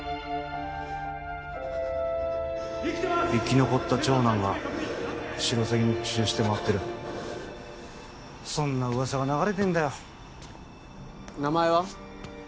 生き残った長男がシロサギに復讐してまわってるそんな噂が流れてんだよ名前は？